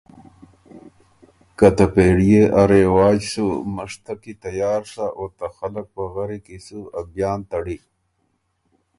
که ته پېړيې ا رواج سُو مشتک کی تیار سَۀ او ته خلق پغري کی سُو ا بیان تَړی۔